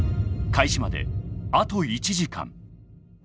開始まであと１時間。